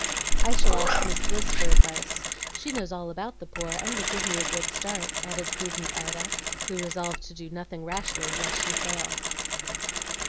"I shall ask Miss Bliss for advice; she knows all about the poor, and will give me a good start," added prudent Ida, who resolved to do nothing rashly lest she should fail.